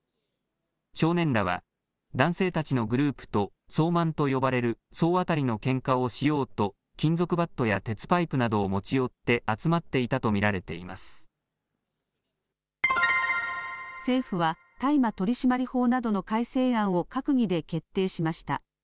少年らは、男性たちのグループと総マンと呼ばれる総当たりのけんかをしようと、金属バットや鉄パイプなどを持ち寄って集まっていたと見られ政府は、大麻取締法などの改正案を閣議で決定しました。